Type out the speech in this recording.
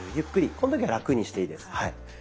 この時はラクにしていいです。